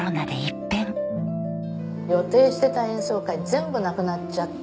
予定してた演奏会全部なくなっちゃって。